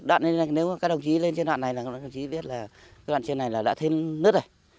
đoạn này nếu các đồng chí lên trên đoạn này là các đồng chí biết là cái đoạn trên này là đã thấy nứt rồi